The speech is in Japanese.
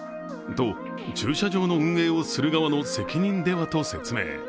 と、駐車場の運営をする側の責任ではと説明。